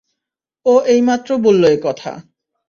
ও এইমাত্র বললো একথা।